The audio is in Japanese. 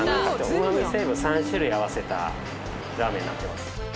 うま味成分３種類合わせたラーメンになってます。